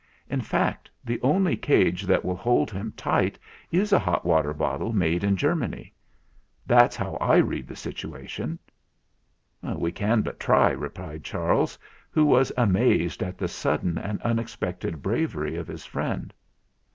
In fact, the only cage that will hold him tight is a hot water bottle made in Germany. That's how I read the sit uation." THE GALLOPER 213 "We can but try," replied Charles, who was amazed at the sudden and unexpected bravery of his friend.